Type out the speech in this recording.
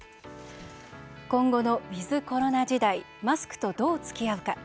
今後のウィズコロナ時代マスクと、どうつきあうか。